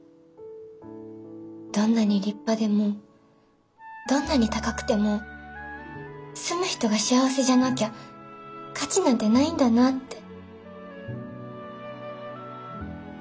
どんなに立派でもどんなに高くても住む人が幸せじゃなきゃ価値なんてないんだなって。